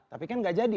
tapi kan gak jadi